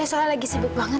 kamu periksa kandungan kan